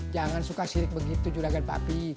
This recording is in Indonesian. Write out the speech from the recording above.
jangan suka sirik begitu juragan bapi